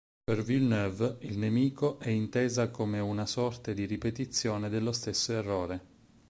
Per Villeneuve, il nemico è intesa come una sorte di ripetizione dello stesso errore.